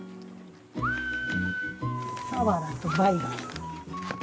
サワラとバイ貝。